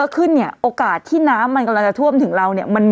เข้าใจนะ